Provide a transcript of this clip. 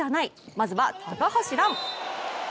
まずは、高橋藍。